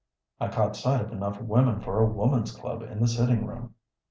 I caught sight of enough women for a woman's club in the sitting room.